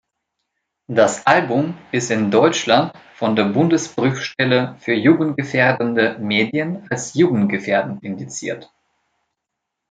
Das Album ist in Deutschland von der Bundesprüfstelle für jugendgefährdende Medien als jugendgefährdend indiziert.